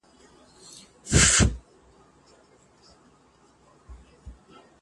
وجدان باید تل بیدار وساتل شي.